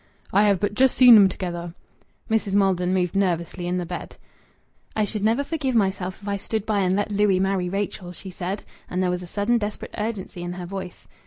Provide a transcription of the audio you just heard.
"I have but just seen 'em together." Mrs. Maldon moved nervously in the bed. "I should never forgive myself if I stood by and let Louis marry Rachel," she said, and there was a sudden desperate urgency in her voice.